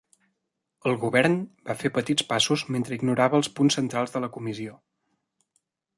El govern va fer petits passos mentre ignorava els punts centrals de la comissió.